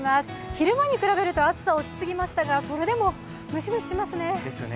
昼間に比べると暑さは落ち着きましたが、それでもムシムシしますね。